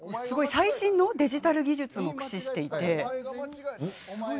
最新のデジタル技術も駆使して。